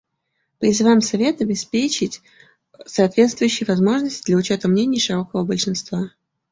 Призываем Совет обеспечить соответствующие возможности для учета мнений широкого большинства.